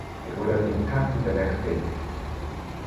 It would have been packed the next day.